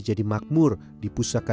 jadi makmur di pusaka